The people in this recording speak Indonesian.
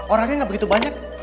orangnya gak begitu banyak